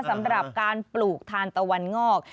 สำหรับการปลูกทานตะวันงอก